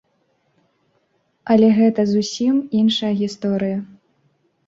Але гэта зусім іншая гісторыя.